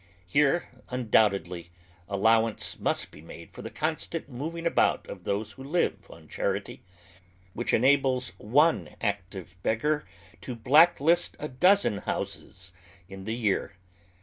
Here, nndoubtedly, allowance must be made for the constant moving about of those who live oyGoogle 24f) HOW THE OTHER HALF LIVES. on charity, which enables one active beggar to blacklist a dozen houses in the year.